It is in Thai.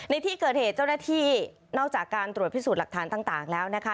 ในที่เกิดเหตุเจ้าหน้าที่นอกจากการตรวจพิสูจน์หลักฐานต่างแล้วนะคะ